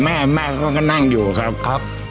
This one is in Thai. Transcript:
แม่แม่เขาก็นั่งอยู่ครับ